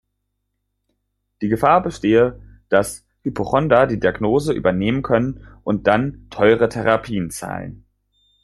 Die Gefahr bestehe, dass Hypochonder die Diagnose übernehmen können und dann teure Therapien zahlen.